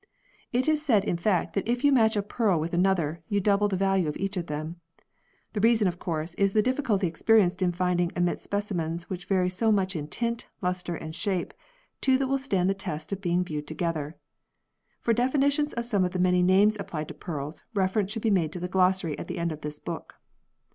It is said in fact that if you match a pearl with another, you double the value of each o them. The reason of course is the difficulty experienced in finding amidst specimens which vary so much in tint, lustre and shape, two that will stand the test of being viewed together. For definitions of some of the many names applied to pearls, reference should be made to the glossary at the end of the book.